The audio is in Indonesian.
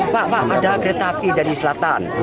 pak pak ada kereta api dari selatan